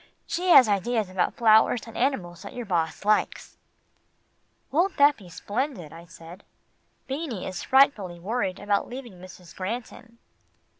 She has ideas about flowers and animals that your boss likes." "Won't that be splendid," I said. "Beanie is frightfully worried about leaving Mrs. Granton."